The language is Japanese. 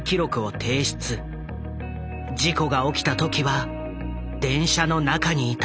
事故が起きた時は電車の中にいた。